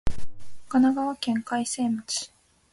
神奈川県開成町